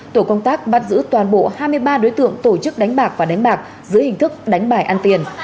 tổ công tác bắt giữ toàn bộ hai mươi ba đối tượng tổ chức đánh bạc và đánh bạc dưới hình thức đánh bài ăn tiền